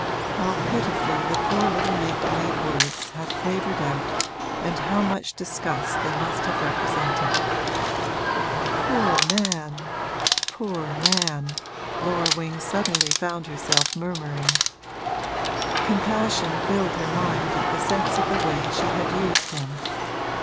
how pitifully the poor little make believe words had quavered out and how much disgust they must have represented! 'Poor man poor man!' Laura Wing suddenly found herself murmuring: compassion filled her mind at the sense of the way she had used him.